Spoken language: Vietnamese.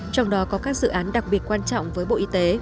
trong đó có các dự án đặc biệt quan trọng với bộ y tế